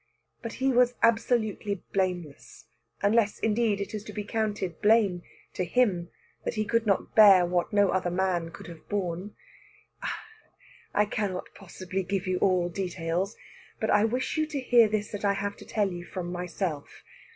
But he was absolutely blameless. Unless, indeed, it is to be counted blame to him that he could not bear what no other man could have borne. I cannot possibly give you all details. But I wish you to hear this that I have to tell you from myself.